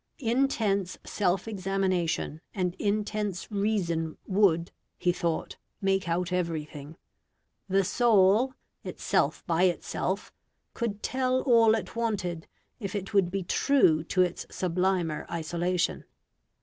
Intense self examination, and intense reason would, he thought, make out everything. The soul "itself by itself," could tell all it wanted if it would be true to its sublimer isolation.